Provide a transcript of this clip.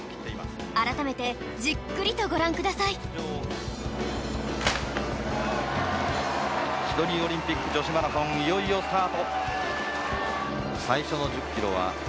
改めてじっくりとご覧くださいシドニーオリンピック女子マラソンいよいよスタート。